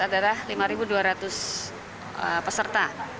adalah lima dua ratus peserta